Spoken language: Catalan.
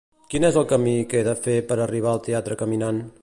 Quin és el camí que he de fer per arribar al teatre caminant?